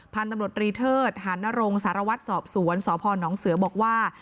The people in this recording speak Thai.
พันธุ์ตำรวจรีเทิดหานรงสารวัตรสอบสวนสพนเสือบอกว่า